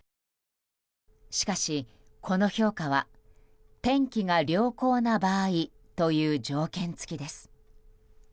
しかし、この評価は天気が良好な場合という条件付きです。